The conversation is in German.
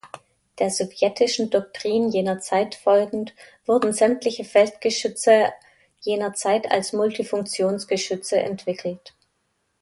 Der sowjetischen Doktrin jener Zeit folgend wurden sämtliche Feldgeschütze jener Zeit als Multifunktionsgeschütze entwickelt.